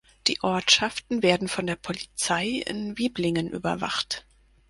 Die Ortschaften werden von der Polizei in Wiblingen überwacht.